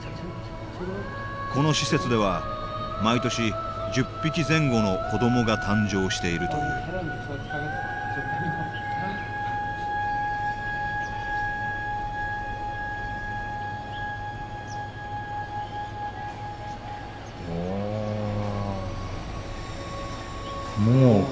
この施設では毎年１０匹前後の子どもが誕生しているというお。